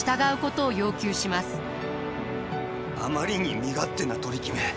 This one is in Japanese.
あまりに身勝手な取り決め。